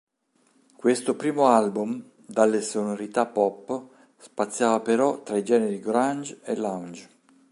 Questo primo album, dalle sonorità pop, spaziava però tra i generi grunge e lounge.